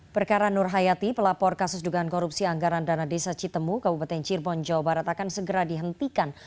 perkara nur hayati pelapor kasus dugaan korupsi anggaran dana desa citemu kabupaten cirebon jawa barat akan segera dihentikan